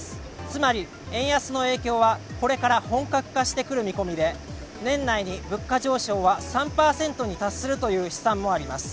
つまり円安の影響はこれから本格化してくる見込みで年内に物価上昇は３％に達するという試算もあります。